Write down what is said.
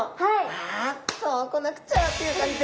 あそう来なくちゃという感じで。